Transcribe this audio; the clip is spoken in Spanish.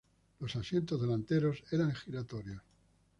Los asientos delanteros eran giratorios.